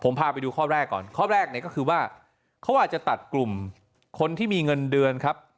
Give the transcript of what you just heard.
ผมพาไปดูข้อแรกก่อนข้อแรกเนี่ยก็คือว่าเขาอาจจะตัดกลุ่มคนที่มีเงินเดือนครับ